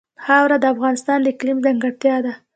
خاوره د افغانستان د اقلیم ځانګړتیا ده.